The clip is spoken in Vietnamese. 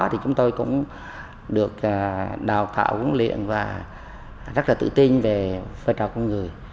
thì chúng tôi cũng được đào tạo huấn luyện và rất là tự tin về phương trọng con người